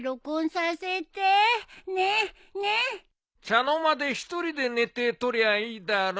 茶の間で一人で寝てとりゃいいだろ。